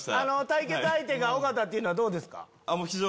対決相手が尾形っていうのはどうですか？